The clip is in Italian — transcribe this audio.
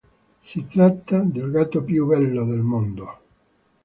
Si tratta del gatto più bello del mondo.